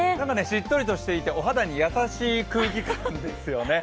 しっとりとしていて、お肌に優しい空気感ですよね。